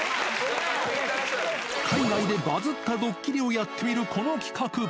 海外でバズったドッキリをやってみるこの企画。